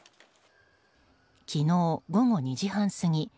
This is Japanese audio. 昨日午後２時半過ぎ